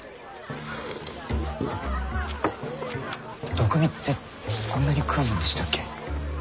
毒味ってこんなに食うもんでしたっけ？